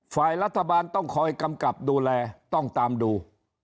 ฝ่ายรัฐบาลต้องคอยกำกับดูแลต้องตามดู